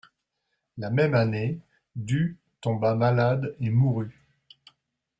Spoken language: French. La même année, Du tomba malade et mourut.